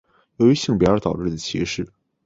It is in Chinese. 由于性别而导致的歧视。